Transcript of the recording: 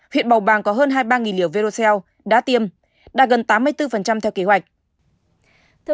huyện bầu bàng có hơn hai mươi ba liều đã tiêm đạt gần tám mươi bốn theo kế hoạch